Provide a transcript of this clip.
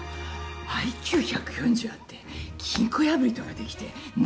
ＩＱ１４０あって金庫破りとかできて何者？